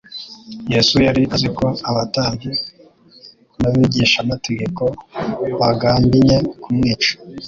Yesu yari azi ko abatambyi n'abigishamategeko bagambinye kumwica,